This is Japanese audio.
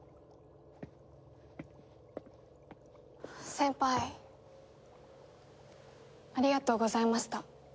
先輩ありがとうございました。